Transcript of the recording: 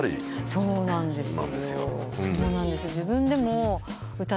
そうなんです。